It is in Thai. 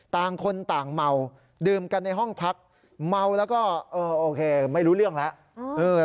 ต่างคนต่างเมาดื่มกันในห้องพักเมาแล้วก็เออโอเคไม่รู้เรื่องแล้ว